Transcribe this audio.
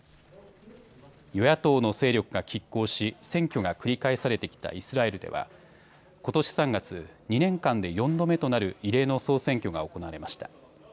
与野党の勢力がきっ抗し選挙が繰り返されてきたイスラエルではことし３月、２年間で４度目となる異例の総選挙が行われました。